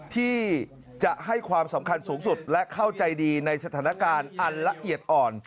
ที่จะให้ความสำคัญสูงสุดและเข้าใจดีในสถานการณ์อันละเอียดอ่อน